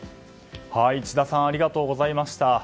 千田さんありがとうございました。